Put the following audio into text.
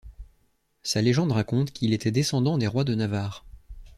Sa légende raconte qu'il était descendant des rois de Navarre.